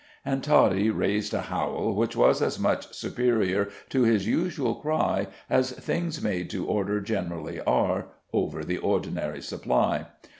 And Toddie raised a howl which was as much superior to his usual cry as things made to order generally are over the ordinary supply.